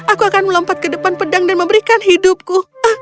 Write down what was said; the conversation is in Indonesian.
aku akan melompat ke depan pedang dan memberikan hidupku